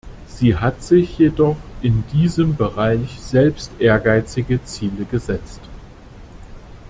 Sie hat sich jedoch in diesem Bereich selbst ehrgeizige Ziele gesetzt.